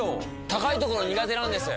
高いところ苦手なんです。